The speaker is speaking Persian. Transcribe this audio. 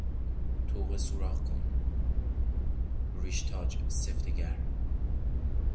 طوقه سوراخ کن، ریشتاج سفتگر